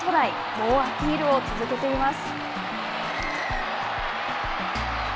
猛アピールを続けています。